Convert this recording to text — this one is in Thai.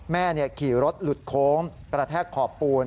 แม่ขี่รถหลุดโค้งกระแทกขอบปูน